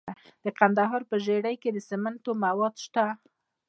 د کندهار په ژیړۍ کې د سمنټو مواد شته.